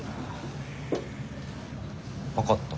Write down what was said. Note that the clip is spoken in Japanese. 分かった。